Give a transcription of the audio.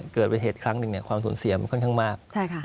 เกิดเหตุครั้งหนึ่งความสูญเสียมันค่อนข้างมาก